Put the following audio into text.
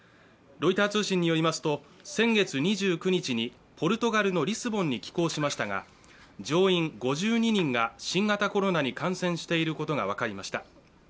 ロイター通信によりますと、先月２９日にポルトガルのリスボンに寄港しましたが、乗員５２人が新型コロナに感染していることが分かりました。